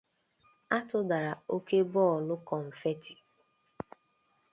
a tụdara oke bọọlụ Confetti